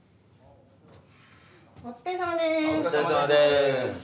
お疲れさまです！